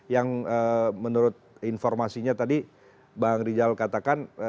yang menurut informasinya tadi bang rijal katakan